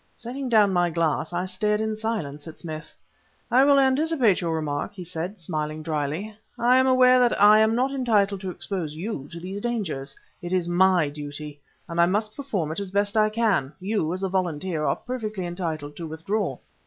Setting down my glass, I stared in silence at Smith. "I will anticipate your remark," he said, smiling dryly. "I am aware that I am not entitled to expose you to these dangers. It is my duty and I must perform it as best I can; you, as a volunteer, are perfectly entitled to withdraw."